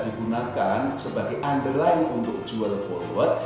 digunakan sebagai underline untuk jual forward